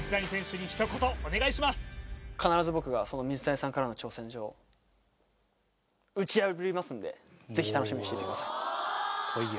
必ず僕がその水谷さんからの挑戦状打ち破りますんでぜひ楽しみにしていてください